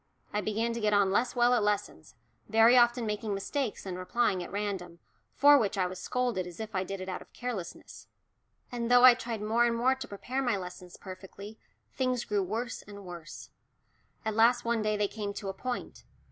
I began to get on less well at lessons, very often making mistakes and replying at random, for which I was scolded as if I did it out of carelessness. And though I tried more and more to prepare my lessons perfectly, things grew worse and worse. At last one day they came to a point.